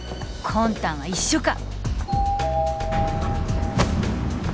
魂胆は一緒か！